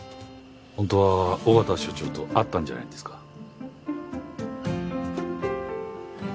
本当は緒方署長と会ったんじゃないんですか？